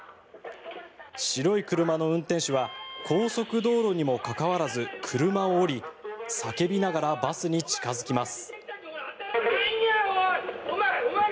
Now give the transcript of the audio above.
白い車の運転手は高速道路にもかかわらず車を降り叫びながらバスに近付きます。